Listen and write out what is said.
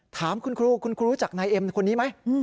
ถามคุณครูคุณครูรู้จักนายเอ็มคนนี้ไหม